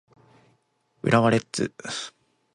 浦和レッズ